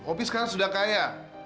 opi sekarang sudah kaya